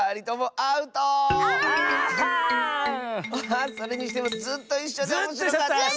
あそれにしてもずっといっしょでおもしろかったッス！